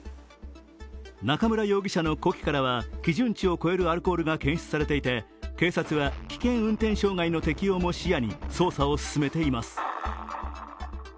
中村容疑者の呼気からは基準値を超えるアルコールが検出されていて警察は危険運転傷害の適用も視野に捜査を進めています。